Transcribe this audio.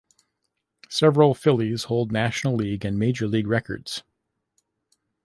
Several Phillies hold National League and major league records.